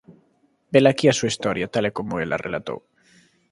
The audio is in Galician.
Velaquí a súa historia, tal e como el a relatou